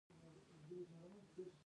مشرانو ته جواب مه ګرځوه